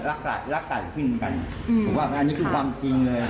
รักไก่พึ่งกันผมว่าอันนี้คือความจริงเลย